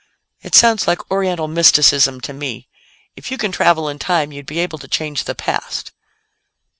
"It sounds like Oriental mysticism to me. If you can travel in time, you'd be able to change the past."